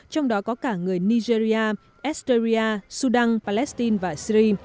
trong đó có cả người nigeria australia sudan palestine và syri